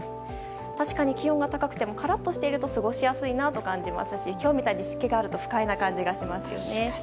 確かに気温が高くてもカラッとしてると過ごしやすいですし今日みたいに湿気があると不快な感じしますよね。